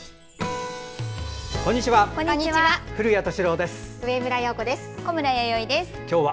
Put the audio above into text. こんにちは。